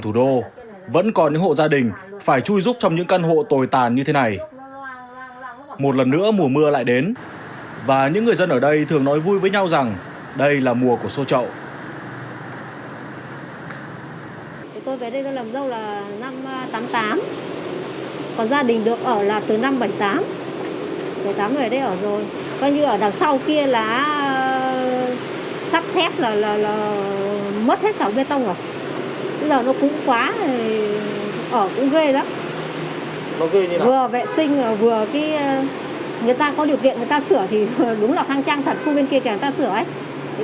vừa vệ sinh vừa người ta có điều kiện người ta sửa thì đúng là khăn trang thật khu bên kia kìa người ta sửa ấy